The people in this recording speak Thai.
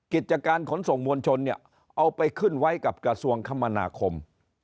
กิจการขนส่งมวลชนเนี่ยเอาไปขึ้นไว้กับกระทรวงคมนาคม